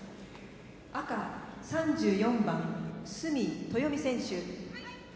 赤３４番、角豊実選手。